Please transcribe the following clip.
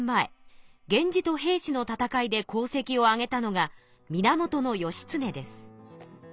源氏と平氏の戦いで功績をあげたのが源義経です。